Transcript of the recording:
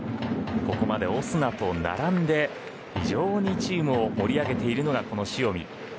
ここまでオスナと並んで非常にチームを盛り上げているのがこの塩見。